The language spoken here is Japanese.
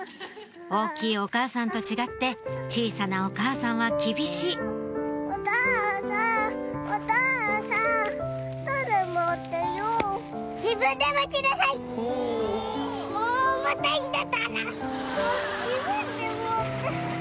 大きいお母さんと違って小さなお母さんは厳しいじぶんでもって。